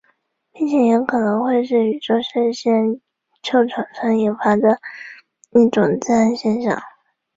并且也很可能会是宇宙射线就常常引发的一种自然现象。